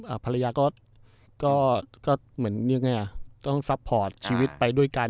ภรรยาก็ก็ก็เหมือนยังไงอ่ะต้องซัพพอร์ตชีวิตไปด้วยกัน